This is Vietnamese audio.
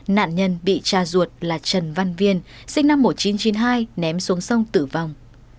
nạn nhân bị cha ruột là trần văn viên sinh năm một nghìn chín trăm chín mươi hai ném xuống sông tử vong